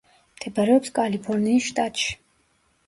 მდებარეობს კალიფორნიის შტატში.